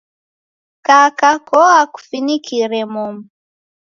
Kaka koa kufinikire momu.